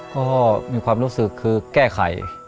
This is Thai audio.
ก็มีความรู้สึกคือแก้ไข